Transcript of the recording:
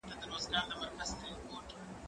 هغه وويل چي سينه سپين مهمه ده!